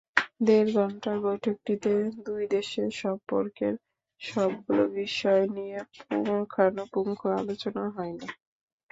দেড় ঘণ্টার বৈঠকটিতে দুই দেশের সম্পর্কের সবগুলো বিষয় নিয়ে পুঙ্খানুপুঙ্খ আলোচনা হয়নি।